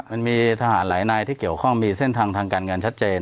มันมีทหารหลายนายที่เกี่ยวข้องมีเส้นทางทางการเงินชัดเจน